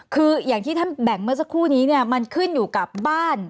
คืออย่างที่ท่านแบ่งเมื่อสักครู่นี้เนี่ยมันขึ้นอยู่กับบ้าน